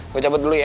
gue cabut dulu ya